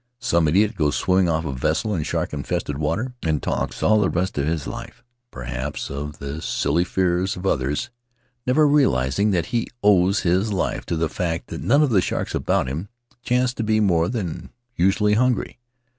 Some idiot goes swimming off a vessel in shark infested waters, and talks all the rest of his life, perhaps, of the silly fears of others — never realizing that he owes his life to the fact that none of the sharks about him chanced to be more than usually hungry.